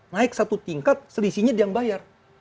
naik satu tingkat selisihnya dia yang bayar